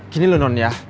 gini loh non ya